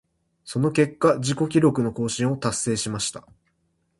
その結果、自己記録の更新を達成しました。